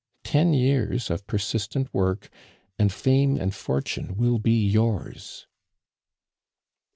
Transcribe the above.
Ten years of persistent work, and fame and fortune will be yours."